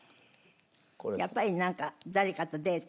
やっぱりなんか誰かとデート。